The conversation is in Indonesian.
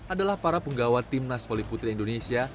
adalah para penggawa timnas poliputri indonesia